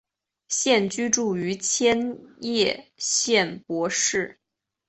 现居住于千叶县柏市。